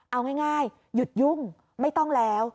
เอาง่ายหยุดยุ่งไม่ต้องแล้ว